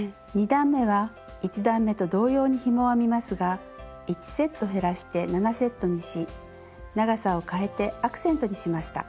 ２段めは１段めと同様にひもを編みますが１セット減らして７セットにし長さを変えてアクセントにしました。